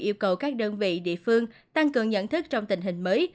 yêu cầu các đơn vị địa phương tăng cường nhận thức trong tình hình mới